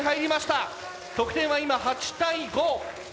得点は今８対５。